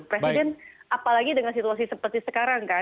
presiden apalagi dengan situasi seperti sekarang kan